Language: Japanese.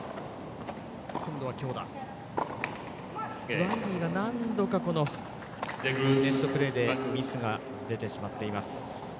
ワイリーが何度かネットプレーでミスが出てしまっています。